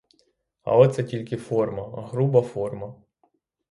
Але це тільки форма, груба форма.